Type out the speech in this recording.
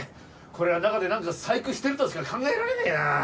こりゃ中でなんか細工してるとしか考えられねえな！